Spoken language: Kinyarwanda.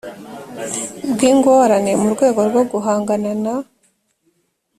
bw ingorane mu rwego rwo guhangana na